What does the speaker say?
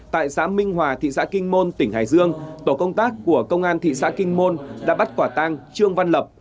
tại xã minh hòa thị xã kinh môn tỉnh hải dương tổ công tác của công an thị xã kinh môn đã bắt quả tang trương văn lập